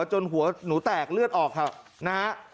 จนหัวหนูแตกเลือดออกครับนะฮะ